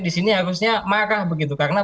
di sini harusnya marah begitu karena